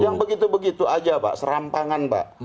yang begitu begitu aja pak serampangan pak